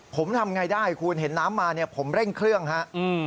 ผมทำอย่างไรได้คุณเห็นน้ำมาผมเร่งเครื่องครับ